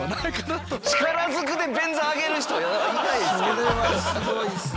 それはすごいっすね。